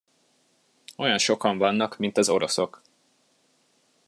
Olyan sokan vannak, mint az oroszok.